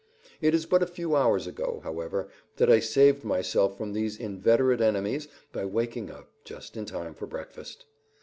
It is but a few hours ago, however, that I saved myself from these inveterate enemies by waking up just in time for breakfast.